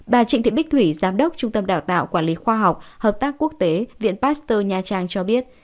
bà trịnh thị bích thủy giám đốc trung tâm đào tạo quản lý khoa học hợp tác quốc tế viện pasteur nha trang cho biết